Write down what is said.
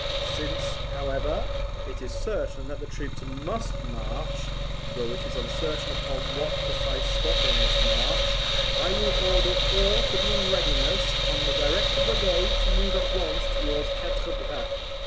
Since, however, it is certain that the troops MUST march, though it is uncertain upon what precise spot they must march, I will order all to be in readiness, and will direct a brigade to move at once towards Quatre Bras."